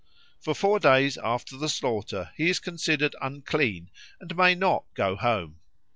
For four days after the slaughter he is considered unclean and may not go home.